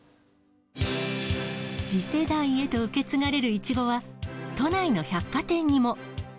次世代へと受け継がれるイチゴは都内の百貨店にも。